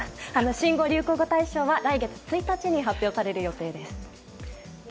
新語・流行語大賞は来月１日に発表される予定です。